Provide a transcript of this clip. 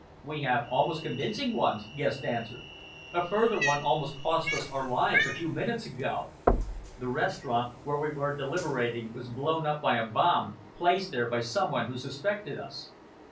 "We have almost convincing ones," Guest answered. "A further one almost cost us our lives a few minutes ago! The restaurant where we were deliberating was blown up by a bomb, placed there by some one who suspected us."